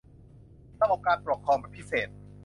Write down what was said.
ระบบการปกครองแบบพิเศษ